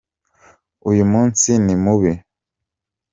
uyumunsi nimubi